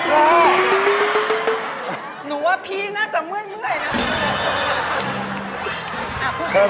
ว่าหนูว่าพี่น่าจะเมื่อยนะ